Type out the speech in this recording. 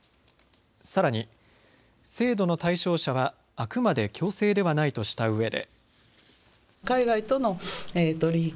さらに制度の対象者はあくまで強制ではないとしたうえで。